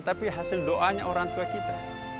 tapi hasil doanya orang tua kita